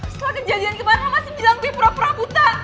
setelah kejadian kemarin lo masih bilang gue pura pura buta